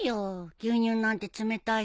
牛乳なんて冷たいしさ。